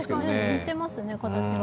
似てますね、形が。